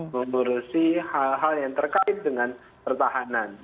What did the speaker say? mengurusi hal hal yang terkait dengan pertahanan